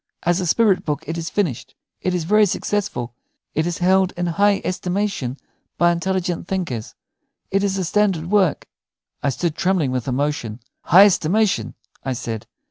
"As a spirit book it is finished. It is very successful; it is held in high estimation by intelligent thinkers; it is a standard work." I stood trembling with emotion. "High estimation!" I said.